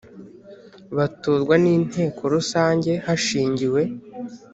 batorwa n Inteko Rusange hashingiwe